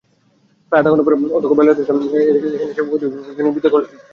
প্রায় আধা ঘণ্টা পরে অধ্যক্ষ বেলায়েত হোসেন এসে অভিভাবকদের নিবৃত্ত করেন।